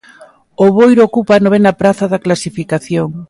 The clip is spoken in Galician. O Boiro ocupa a novena praza da clasificación.